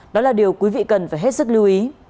đó là điều quý vị cần phải hết sức lưu ý